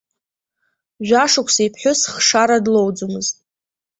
Жәашықәса иԥҳәыс хшара длоуӡомызт.